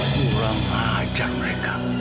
kurang ajar mereka